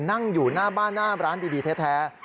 นั่งอยู่หน้าบ้านหน้าร้านดีแท้